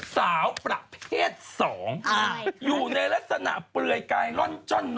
สาวประเภท๒อยู่ในลักษณะเปลือยกายร่อนจ้อน